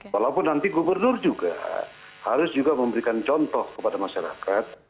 walaupun nanti gubernur juga harus juga memberikan contoh kepada masyarakat